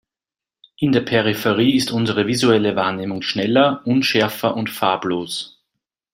In der Peripherie ist unsere visuelle Wahrnehmung schneller, unschärfer und farblos.